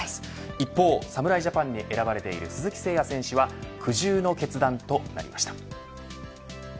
一方、侍ジャパンに選ばれている鈴木誠也選手は苦渋の決断となりました。